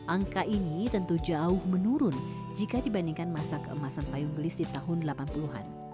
angka ini tentu jauh menurun jika dibandingkan masa keemasan payung gelis di tahun delapan puluh an